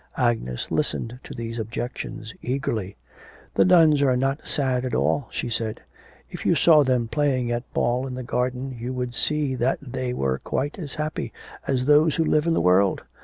Agnes listened to these objections eagerly. 'The nuns are not sad at all,' she said. 'If you saw them playing at ball in the garden you would see that they were quite as happy as those who live in the world.